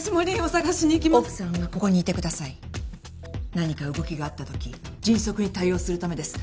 何か動きがあった時迅速に対応するためです。